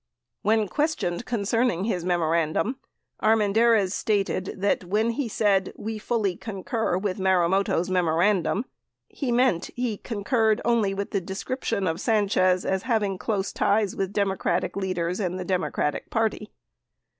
When questioned concerning his memorandum, Armendariz stated that when he said "we fully con cur" with Marumoto's memorandum, he meant he concurred only with the description of Sanchez as having close ties with Demorcatic leaders and the Democratic party.